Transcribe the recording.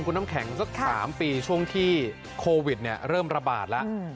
คุณน้ำแข็งสัก๓ปีช่วงที่โควิดเริ่มระบาดแล้ว